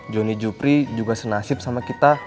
johnny jupri juga senasib sama kita